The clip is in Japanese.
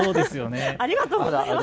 ありがとうございます。